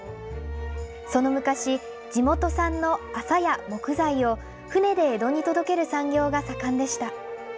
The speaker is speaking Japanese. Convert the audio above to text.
その昔、地元産の麻や木材を、船で江戸に届ける産業が盛んでした。